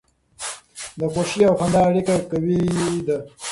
د خوښۍ او خندا اړیکه قوي ده.